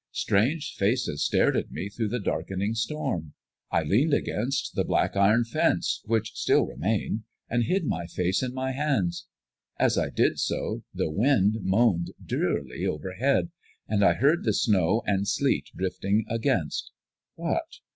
Strange faces stared at me through the darkening storm. I leaned against the black iron fence, which still remained, and hid my face in my hands. As I did so, the wind moaned drearily overhead, and I heard the snow and sleet drifting against what?